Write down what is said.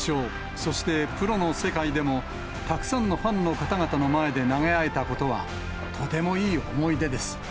そしてプロの世界でもたくさんのファンの方々の前で投げ合えたことは、とてもいい思い出です。